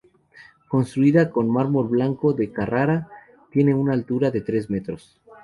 Construida con mármol blanco de Carrara, tiene una altura de tres metros.